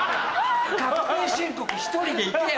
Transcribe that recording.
確定申告１人で行けよ！